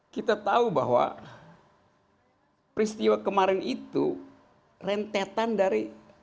kita tahu bahwa peristiwa kemarin itu rentetan dari